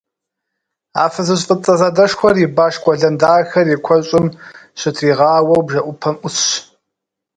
А фызыжь фӏыцӏэ задэшхуэр и баш къуэлэн дахэр и куэщӏым щытригъауэу бжэӏупэм ӏусщ.